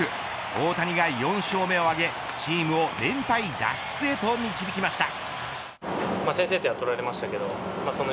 大谷が４勝目を挙げチームを連敗脱出へと導きました。